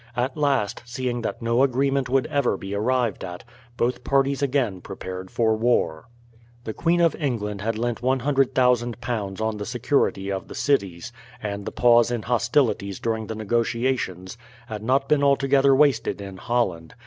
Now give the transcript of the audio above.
At last, seeing that no agreement would ever be arrived at, both parties prepared again for war. The Queen of England had lent 100,000 pounds on the security of the cities, and the pause in hostilities during the negotiations had not been altogether wasted in Holland.